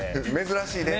珍しいね。